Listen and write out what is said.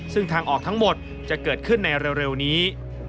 ซึ่งทางออกทั้งหมดจะเกิดขึ้นในเร็วนี้